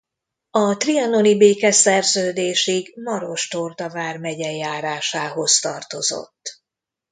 A trianoni békeszerződésig Maros-Torda vármegye járásához tartozott.